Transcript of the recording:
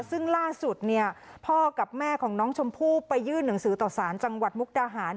ซึ่งล่าสุดเนี่ยพ่อกับแม่ของน้องชมพู่ไปยื่นหนังสือต่อสารจังหวัดมุกดาหาร